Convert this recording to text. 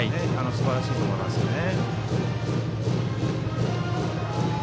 すばらしいと思いますね。